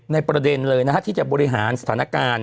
ประเด็นเลยที่จะบริหารสถานการณ์